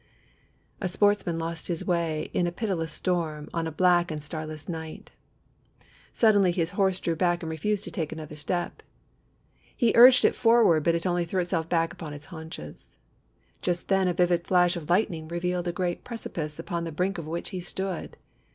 A sportsman lost his way in a pitiless storm on a black and starless night. Suddenly his horse drew back and refused to take another step. He urged it forward, but it only threw itself back upon its haunches. Just then a vivid flash of lightning revealed a great precipice upon the brink of which he stood.